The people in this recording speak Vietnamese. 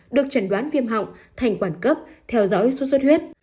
được trần đoán viêm họng thành quản cấp theo dõi suốt suốt huyết